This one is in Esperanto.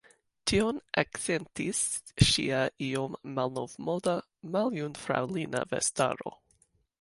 Tion akcentis ŝia iom malnovmoda, maljunfraŭlina vestaro.